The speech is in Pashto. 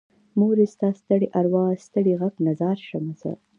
مورې ستا ستړي ارواه ستړې غږ نه ځار شمه زه